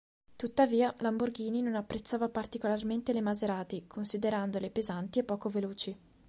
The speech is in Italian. Tuttavia Lamborghini non apprezzava particolarmente le Maserati, considerandole "pesanti e poco veloci".